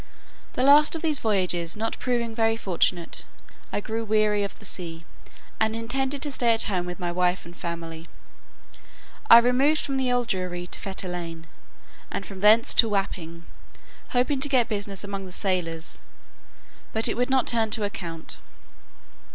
The last of these voyages not proving very fortunate, I grew weary of the sea, and intended to stay at home with my wife and family. I removed from the Old Jewry to Fetter Lane, and from thence to Wapping, hoping to get business among the sailors; but it would not turn to account.